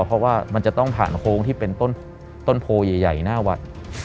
เพราะว่ามันจะต้องผ่านโค้งที่เป็นต้นโพใหญ่หน้าวัด